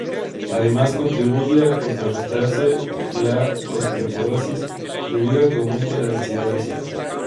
Además, contribuye a contrarrestar la osteoporosis, debido a que aumenta la densidad ósea.